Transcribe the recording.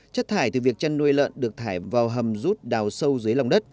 chất thải từ việc chăn nuôi lợn được thải vào hầm rút đào sâu dưới lòng đất